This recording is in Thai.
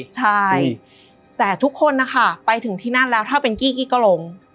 ใช่แต่ทุกคนนะคะไปถึงที่นั่นแล้วถ้าเป็นกี้กี้ก็ลง